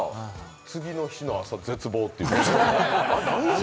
次の日の朝、絶望っていう。